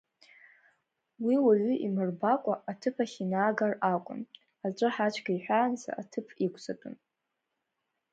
Уи уаҩы имырбакәа аҭыԥ ахь инаагар акәын, аӡәы ҳацәгьа иҳәаанӡа аҭыԥ иқәҵатәын.